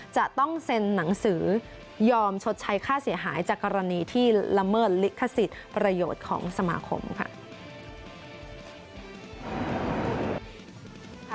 จะต้องเซ็นหนังสือยอมชดใช้ค่าเสียหายจากกรณีที่ละเมิดลิขสิทธิ์ประโยชน์ของสมาคมค่ะ